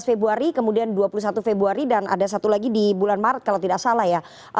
dua belas februari kemudian dua puluh satu februari dan ada satu lagi di bulan maret kalau tidak salah ya